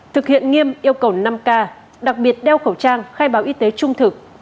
thực hiện nghiêm yêu cầu năm k đặc biệt đeo khẩu trang khai báo y tế trung thực